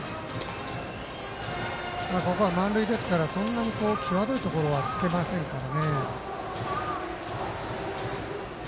ここは満塁ですからそんなに際どいところは突けませんから。